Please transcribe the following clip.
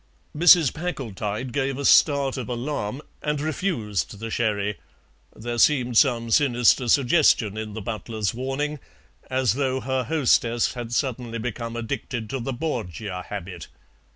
Mrs. Packletide gave a start of alarm, and refused the sherry; there seemed some sinister suggestion in the butler's warning, as though her hostess had suddenly become addicted to the Borgia habit.